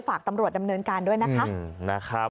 ฝากตำรวจดำเนินการด้วยนะคะ